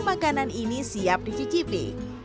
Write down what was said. makanan ini siap dicicipi